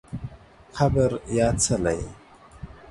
قبر یا څلی